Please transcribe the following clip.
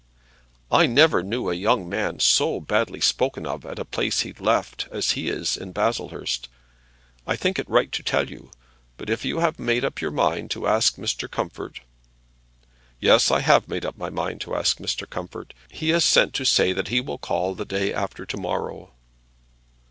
"I never knew a young man so badly spoken of at a place he'd left as he is in Baslehurst. I think it right to tell you; but if you have made up your mind to ask Mr. Comfort " "Yes; I have made up my mind to ask Mr. Comfort. He has sent to say he will call the day after to morrow."